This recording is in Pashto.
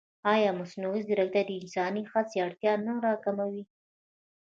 ایا مصنوعي ځیرکتیا د انساني هڅې اړتیا نه راکموي؟